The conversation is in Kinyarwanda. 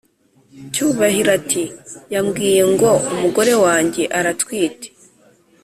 Cyubahiro ati"yambwiye ngo umugore wanjye aratwite